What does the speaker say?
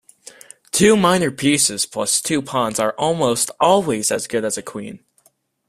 Two minor pieces plus two pawns are almost always as good as a queen.